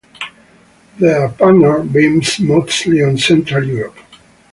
Their pattern beams mostly on Central Europe.